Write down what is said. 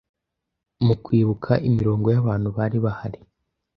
mu kwibuka imirongo yabantu bari bahari